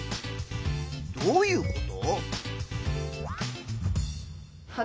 どういうこと？